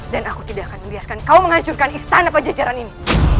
dan aku tidak akan membiarkan kau menghancurkan istana pajajaran ini